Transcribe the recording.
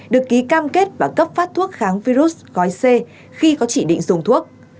được ký cam kết và cấp phát thuốc kháng virus gói c khi có chỉ định dùng thuốc